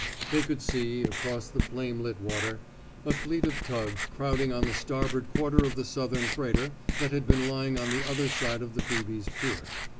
They could see — across the flame lit water — a fleet of tugs crowding on the starboard quarter of the Southern freighter that had been lying on the other side of the Phoebe's pier.